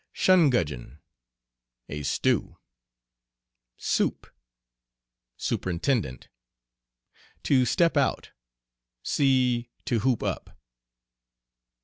"Shungudgeon." A stew. "Supe." Superintendent. "To step out." See "To hoop up."